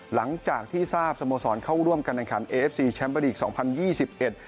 หลังจากที่ทราบสโมสรเข้าร่วมการแข่งขันเอฟซีแชมป์ลีกสองพันยี่สิบเอ็ด